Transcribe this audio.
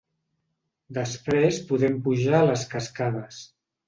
Després podem pujar a les cascades.